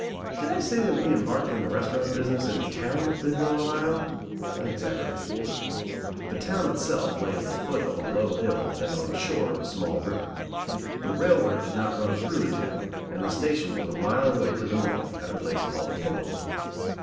Did I say that we embarked in the restaurant busi ness in the town of Bidwell, Ohio? I exaggerated a little. The town itself lay at the foot of a low hill and on the shore of a small river. The railroad did not run through the town and the station was a mile away to the north at a place called Pickleville.